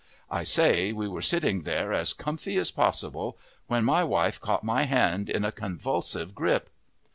I say, we were sitting there as cumfy as possible, when my wife caught my hand in a convulsive grip.